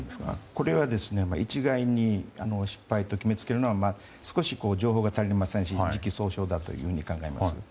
これは一概に失敗と決めつけるのは少し情報が足りませんし時期尚早という見立てです。